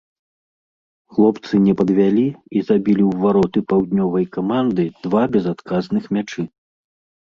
Хлопцы не падвялі і забілі ў вароты паўднёвай каманды два безадказных мячы.